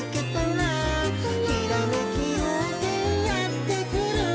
「ひらめきようせいやってくる」